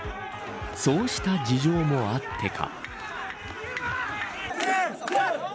そうした事情もあってか。